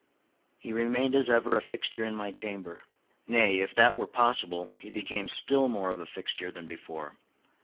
He remained as ever, a fixture in my chamber. Nay—if that were possible—he became still more of a fixture than before.